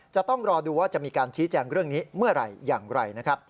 จะต้องรอดูว่าจะมีการชี้แจงเรื่องนี้เมื่อไหร่อย่างไรนะครับ